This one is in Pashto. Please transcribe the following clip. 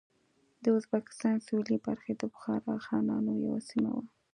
د ازبکستان سوېلې برخې د بخارا خانانو یوه سیمه وه.